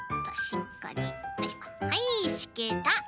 はいしけた。